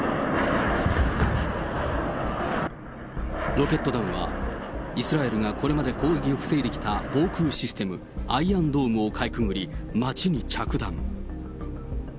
ロケット弾は、イスラエルがこれまで攻撃を防いできた防空システム、アイアンドームをかいくぐり、町に着弾。